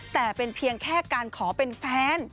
แต่เป็นเพียงแค่การขอเป็นแฟน